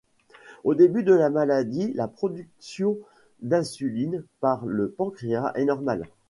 Au début de la maladie, la production d'insuline par le pancréas est normale.